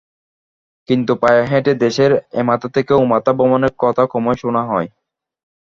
কিন্তু পায়ে হেঁটে দেশের এমাথা থেকে ওমাথা ভ্রমণের কথা কমই শোনা হয়।